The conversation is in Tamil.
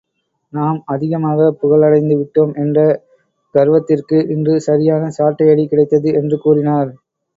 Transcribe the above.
நாம் அதிகமாக புகழடைந்து விட்டோம் என்ற கர்வத்திற்கு இன்று சரியான சாட்டையடி கிடைத்தது என்று கூறினார்.